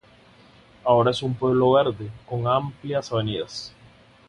Ahora es un pueblo verde con amplias avenidas.